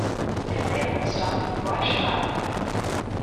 If they don't stop, why should I?